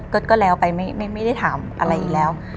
ก็แล้วไปไม่ได้ถามอะไรอีกแล้ว